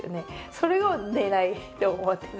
それをねらいって思ってるんです。